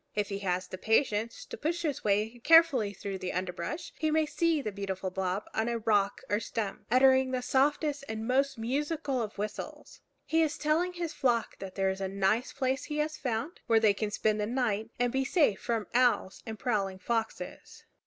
If he has the patience to push his way carefully through the underbrush, he may see the beautiful Bob on a rock or stump, uttering the softest and most musical of whistles. He is telling his flock that here is a nice place he has found, where they can spend the night and be safe from owls and prowling foxes.